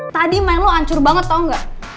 tadi main lo hancur banget tau gak